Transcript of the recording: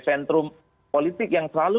sentrum politik yang selalu